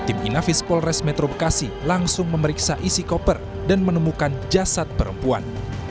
tim inafis polres metro bekasi langsung memeriksa isi koper dan menemukan jasad perempuan